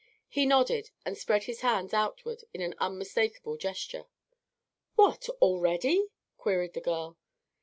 He nodded, and spread his hands outward in an unmistakable gesture. "What! already?" queried the girl.